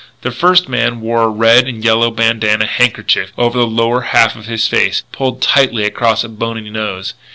The first man wore a red and yellow bandanna handkerchief over the lower half of his face, pulled tightly across a bony nose.